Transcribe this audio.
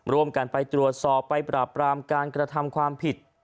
ร่วมกันไปตรวจสอบไปปราบปรามการกระทำความผิด